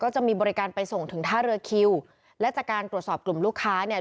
จะมีบริการไปส่งถึงท่าเรือคิวและจากการตรวจสอบกลุ่มลูกค้าเนี่ย